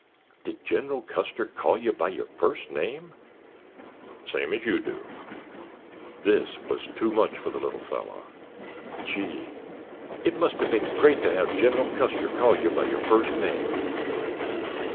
"Did General Custer call you by your first name?" "Same's you do." This was too much for the little fellow. "Gee, it must have been great to have General Custer call you by your first name."